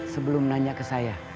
sebelum nanya ke saya